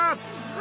あ！